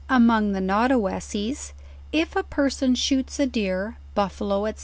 Among the Naudowessies, if a person shoots a deer, buf falo, &c.